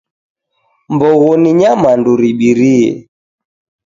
Mbogho ni nyamandu ribirie.